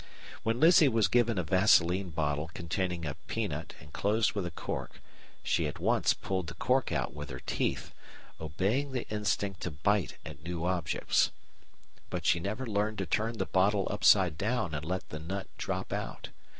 When Lizzie was given a vaseline bottle containing a peanut and closed with a cork, she at once pulled the cork out with her teeth, obeying the instinct to bite at new objects, but she never learned to turn the bottle upside down and let the nut drop out.